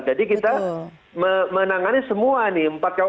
jadi kita menangani semua nih